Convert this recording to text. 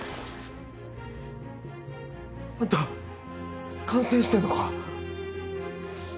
あんた感染してんのか？